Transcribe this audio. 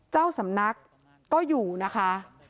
เจ้าสำนักก็อยู่นะคะ